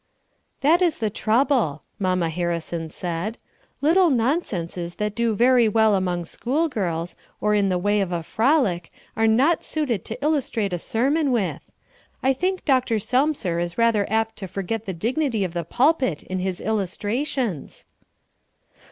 "That is the trouble," mamma Harrison said. "Little nonsenses that do very well among schoolgirls, or in the way of a frolic, are not suited to illustrate a sermon with. I think Dr. Selmser is rather apt to forget the dignity of the pulpit in his illustrations."